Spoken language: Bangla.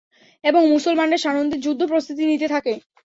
এবং মুসলমানরা সানন্দে যুদ্ধ-প্রস্তুতি নিতে থাকে।